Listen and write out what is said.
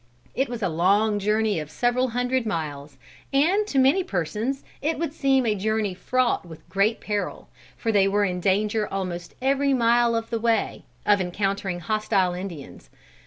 It was a long journey of several hundred miles, and to many persons it would seem a journey fraught with great peril, for they were in danger almost every mile of the way, of encountering hostile Indians.